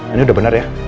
ini udah bener ya